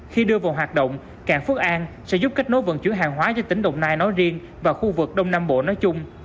khi đưa vào hoạt động cảng phước an sẽ giúp kết nối vận chuyển hàng hóa cho tỉnh đồng nai nói riêng và khu vực đông nam bộ nói chung